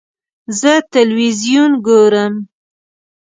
زه تلویزیون ګورم.